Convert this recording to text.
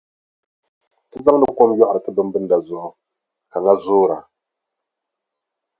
Ti zaŋdi kom yɔɣiri ti bimbinda zuɣu ka ŋa zoora.